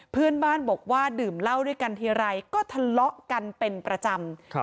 เพื่อนบ้านบอกว่าดื่มเหล้าด้วยกันทีไรก็ทะเลาะกันเป็นประจำ